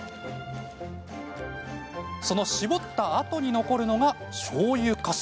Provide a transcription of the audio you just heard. その搾ったあとに残るのがしょうゆかす。